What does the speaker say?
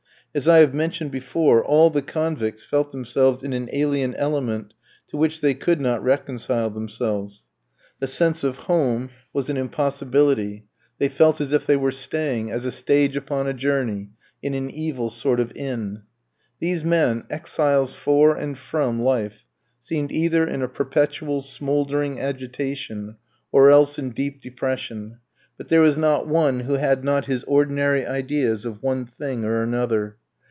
As I have mentioned before, all the convicts felt themselves in an alien element to which they could not reconcile themselves. The sense of home was an impossibility; they felt as if they were staying, as a stage upon a journey, in an evil sort of inn. These men, exiles for and from life, seemed either in a perpetual smouldering agitation, or else in deep depression; but there was not one who had not his ordinary ideas of one thing or another.